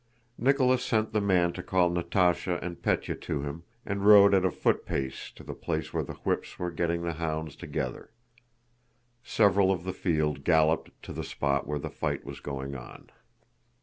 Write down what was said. Nicholas sent the man to call Natásha and Pétya to him, and rode at a footpace to the place where the whips were getting the hounds together. Several of the field galloped to the spot where the fight was going on.